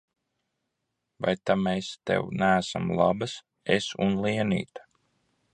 Vai ta mēs tev neesam labas, es un Lienīte?